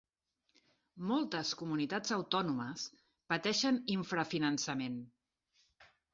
Moltes comunitats autònomes pateixen infrafinançament